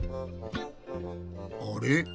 あれ？